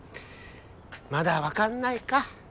まだわかんないか。